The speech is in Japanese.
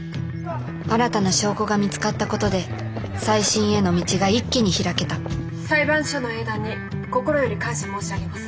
新たな証拠が見つかったことで再審への道が一気に開けた「裁判所の英断に心より感謝申し上げます」。